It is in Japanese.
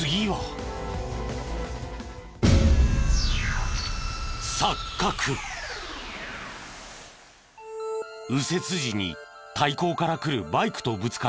右折時に対向から来るバイクとぶつかる衝突事故。